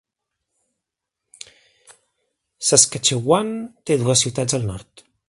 Saskatchewan té dues ciutats al nord.